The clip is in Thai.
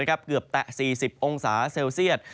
เกือบแตะ๔๐องศาเซลเซียต